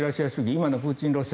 今のプーチン路線。